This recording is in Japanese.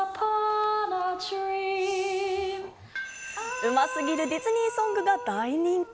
上手すぎるディズニーソングが大人気。